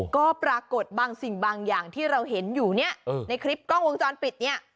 ก็ปรากฏบางสิ่งบางอย่างที่เราเห็นอยู่เนี่ยในคลิปกล้องวงจรปิดเนี่ย